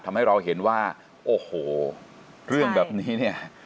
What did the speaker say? ทำให้เราเห็นว่าโอ้โหเรื่องแบบนี้เนี่ย